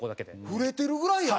触れてるぐらいやん！